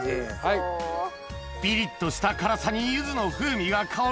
ピリっとした辛さにゆずの風味が香る